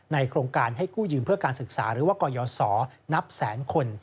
โครงการให้กู้ยืมเพื่อการศึกษาหรือว่ากยศนับแสนคน